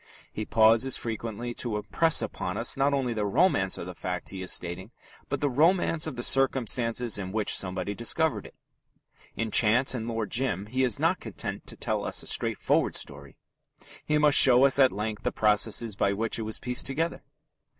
He pauses frequently to impress upon us not only the romance of the fact he is stating but the romance of the circumstances in which somebody discovered it. In Chance and Lord Jim he is not content to tell us a straightforward story: he must show us at length the processes by which it was pieced together.